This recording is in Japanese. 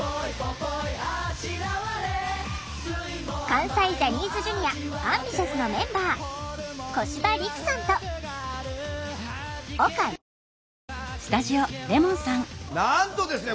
関西ジャニーズＪｒ．ＡｍＢｉｔｉｏｕｓのメンバーなんとですね